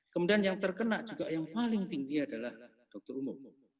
kemudian yang terkena juga yang paling tinggi adalah dokter umum